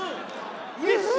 うれしい。